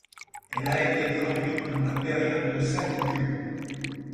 Elle a été traduite dans la période de sakoku.